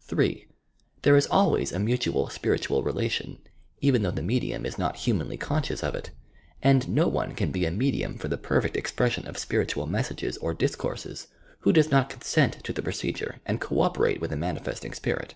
(3) There is always a mutual spiritual relation, evcD though the medium is not humanly conscious of it ; and no one can be a medium for the perfect expression of spiritual messages or discourses who does not consent to the procedure and co operate with the manifesting spirit.